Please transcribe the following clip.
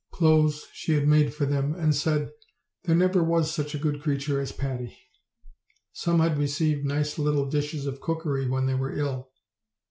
25 clothes she had made for them, and said, "there never was such a good creature as Patty." Some had received nice little dishes of cookery when they were ill.